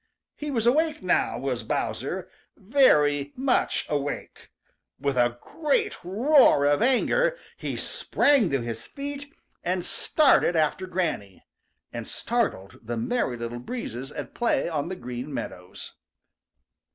He was awake now, was Bowser, very much awake. With a great roar of anger, he sprang to his feet, and started after Granny, and startled the Merry Little Breezes at play on the Green Meadows.